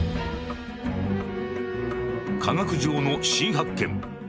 「科学上の新発見」。